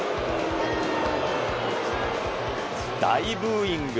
大ブーイング。